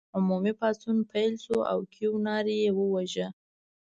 عمومي پاڅون پیل شو او کیوناري یې وواژه.